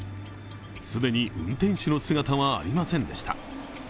既に運転手の姿はありませんでした。